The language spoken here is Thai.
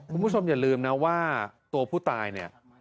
คุณผู้ชมอย่าลืมนะว่าตัวผู้ตายเนี่ย